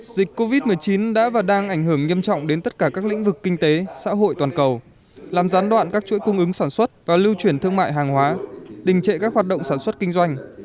dịch covid một mươi chín đã và đang ảnh hưởng nghiêm trọng đến tất cả các lĩnh vực kinh tế xã hội toàn cầu làm gián đoạn các chuỗi cung ứng sản xuất và lưu chuyển thương mại hàng hóa đình trệ các hoạt động sản xuất kinh doanh